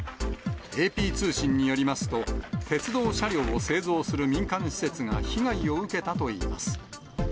ＡＰ通信によりますと、鉄道車両を製造する民間施設が被害を受けたといいます。